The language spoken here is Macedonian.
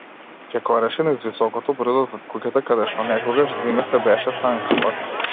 Чекореше низ високото брдо зад куќата, каде што некогаш зиме се беше санкала.